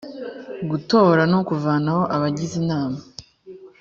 gutora no kuvanaho abagize inama